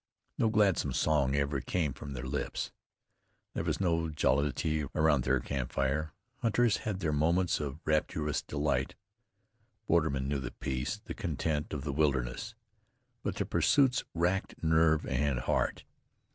No gladsome song ever came from their lips; there was no jollity around their camp fire. Hunters had their moments of rapturous delight; bordermen knew the peace, the content of the wilderness, but their pursuits racked nerve and heart.